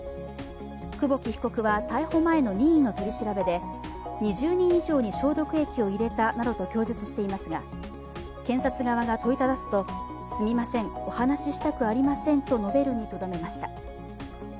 久保木被告は逮捕前の任意の取り調べで、２０人以上に消毒液を入れたなどと供述していますが、検察側が問いただすと、すみませんお話ししたくありませんと述べるにとどめました。